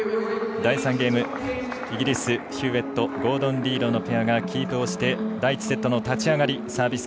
第３ゲーム、イギリスヒューウェットゴードン・リードのペアがキープして第１セットの立ち上がりサービス